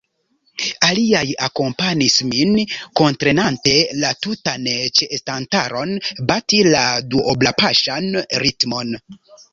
Aliaj akompanis min, kuntrenante la tutan ĉeestantaron bati la duoblapaŝan ritmon.